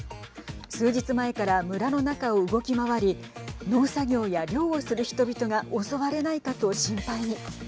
数日前から村の中を動き回り農作業や漁をする人々が襲われないかと心配に。